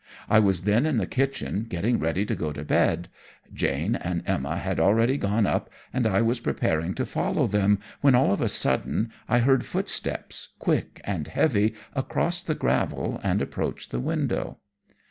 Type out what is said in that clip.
I was then in the kitchen getting ready to go to bed. Jane and Emma had already gone up, and I was preparing to follow them, when, all of a sudden, I heard footsteps, quick and heavy, cross the gravel and approach the window.